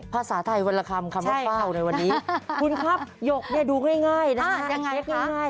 ภาษาไทยวันละคำคำว่าเฝ้าในวันนี้คุณครับหยกดูง่ายนะครับยังไงครับ